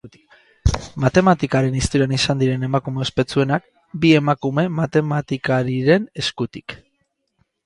Matematikaren historian izan diren emakume ospetsuenak, bi emakume matematikariren eskutik.